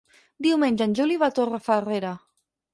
Diumenge en Juli va a Torrefarrera.